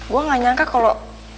gue gak nyangka kalau